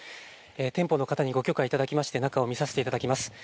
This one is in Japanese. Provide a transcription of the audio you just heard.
店舗の方にご許可いただきまして中を見させていただきます。